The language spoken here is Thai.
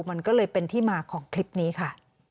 มันก็เลยเป็นที่มาของคลิปนี้ค่ะ